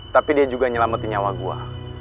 tapi dia juga nyelamatin nyawa gue